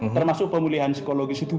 termasuk pemulihan psikologis itu